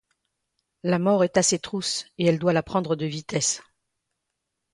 La mort est à ses trousses et elle doit la prendre de vitesse.